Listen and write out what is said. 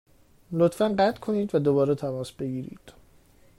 لطفا قطع کنید و دوباره تماس بگیرید.